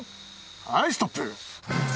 はいストップ。